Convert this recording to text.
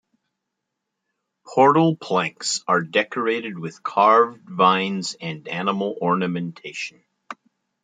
Portal planks are decorated with carved vines and animal ornamentation.